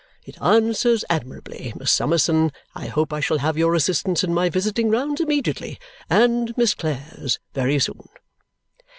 It answers admirably! Miss Summerson, I hope I shall have your assistance in my visiting rounds immediately, and Miss Clare's very soon."